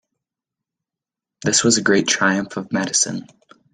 This was a great triumph of medicine.